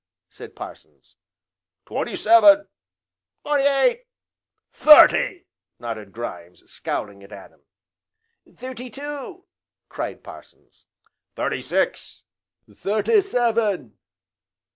said Parsons. "Twenty seven!" "Twenty eight!" "Thirty!" nodded Grimes, scowling at Adam. "Thirty two!" cried Parsons. "Thirty six!" "Thirty seven!"